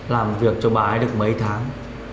làm việc cho bà ấy được mấy tháng